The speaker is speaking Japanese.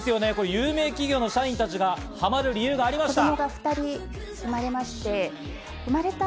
有名企業の社員たちがハマる理由がありました。